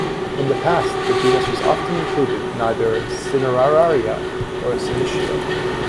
In the past, the genus was often included in either "Cineraria" or "Senecio.